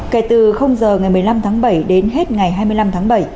kể từ giờ ngày một mươi năm tháng bảy đến hết ngày hai mươi năm tháng bảy